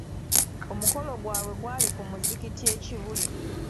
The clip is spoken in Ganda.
Omukolo gwabwe gwali ku muzigiti e kibuli.